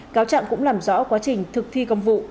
cáo trạng cũng làm rõ quá trình thực thi công vụ